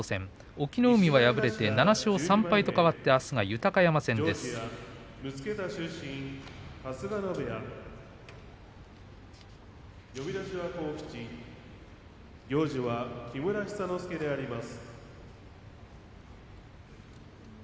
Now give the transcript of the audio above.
隠岐の海が敗れて７勝３敗とかわってあすは豊山戦です。